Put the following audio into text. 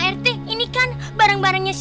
aku akan menganggap